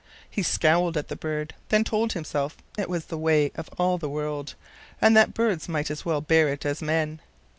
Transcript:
He scowled at the bird, then told himself it was the way of all the world, and that birds might as well bear it as men.